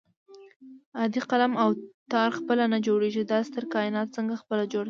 عادي قلم او تار خپله نه جوړېږي دا ستر کائنات څنګه خپله جوړ شي